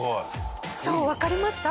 そうわかりました？